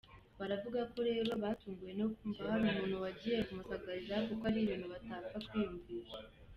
Baravugako rero batunguwe no kumva hari umuntu wagiye kumusagarari kuko ari ibintu batapfa kwiyumvisha.